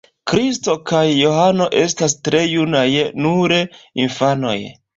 Kristo kaj Johano estas tre junaj, nur infanoj.